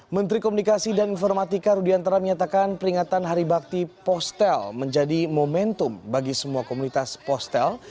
menteri komunikasi dan informatika rudiantara menyatakan peringatan hari bakti postel menjadi momentum bagi semua komunitas postal